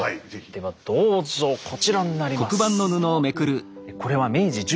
ではどうぞこちらになります。